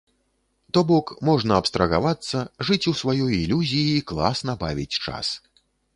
То бок, можна абстрагавацца, жыць у сваёй ілюзіі і класна бавіць час.